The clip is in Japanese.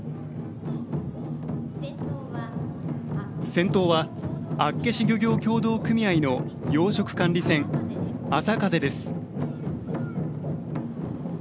先頭は厚岸漁業協同組合の養殖管理船「あさかぜ」です。